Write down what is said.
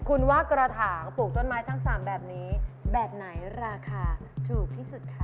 คุณว่ากระถางปลูกต้นไม้ทั้ง๓แบบนี้แบบไหนราคาถูกที่สุดคะ